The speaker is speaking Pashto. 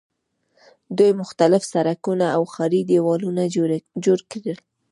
دوی مختلف سړکونه او ښاري دیوالونه جوړ کړل.